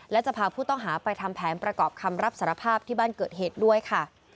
และจะพาผู้ต้องหาไปทำแผนประกอบคำรับสารภาพที่บ้านเกิดเหตุด้วยค่ะ